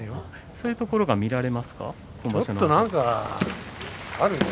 そういうところが見えますか？